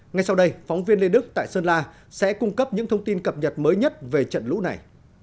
ngay sau đây phóng viên lê đức tại sơn la sẽ cung cấp những thông tin cập nhật mới nhất về trận lũ này